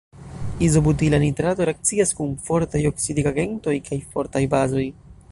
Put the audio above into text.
Izobutila nitrato reakcias kun fortaj oksidigagentoj kaj fortaj bazoj.